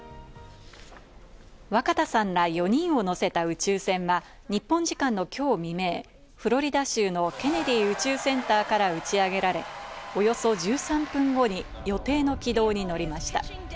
若田さんら４人を乗せた宇宙船は日本時間の今日未明、フロリダ州のケネディ宇宙センターから打ち上げられ、およそ１３分後に予定の軌道に乗りました。